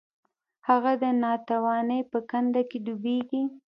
هغه د ناتوانۍ په کنده کې ډوبیږي.